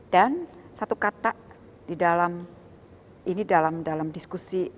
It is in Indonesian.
dan satu kata di dalam ini dalam diskusi